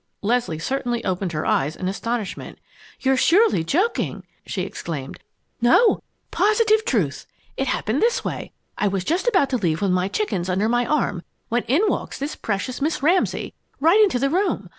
Leslie certainly opened her eyes in astonishment. "You're surely joking!" she exclaimed. "No, positive truth! It happened this way: I was just about to leave with my chickens under my arm, when in walks this precious Miss Ramsay, right into the room.